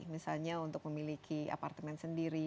misalnya untuk memiliki apartemen sendiri